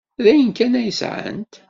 D ayen kan ay sɛant.